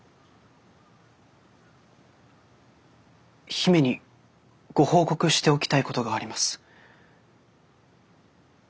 姫にご報告しておきたいことがあります。